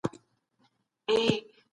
یو بزګر په پټي کې دی.